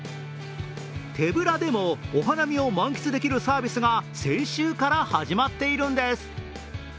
手ぶらでもお花見を満喫できるサービスが先週から始まっているんです。